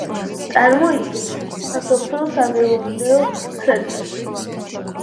წარმოადგენს სასოფლო-სამეურნეო ცენტრს.